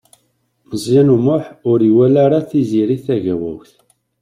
Meẓyan U Muḥ ur iwala ara Tiziri Tagawawt.